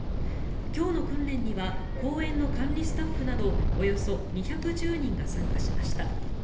今日の訓練には公園の管理スタッフなどおよそ２１０人が参加しました。